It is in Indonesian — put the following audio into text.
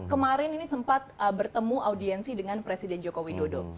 kemarin ini sempat bertemu audiensi dengan presiden jokowi dodo